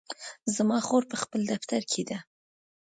زما خور په خپل دفتر کې ده